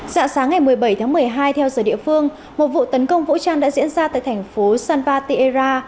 dạ sáng ngày một mươi bảy tháng một mươi hai theo giờ địa phương một vụ tấn công vũ trang đã diễn ra tại thành phố san patiera